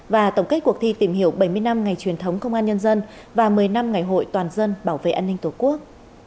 và tổng kết cuộc thi tìm hiểu bảy mươi năm ngày truyền thống công an nhân dân và một mươi năm ngày hội toàn dân bảo vệ an ninh tổ quốc